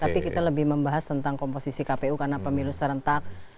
tapi kita lebih membahas tentang komposisi kpu karena pemilu serentak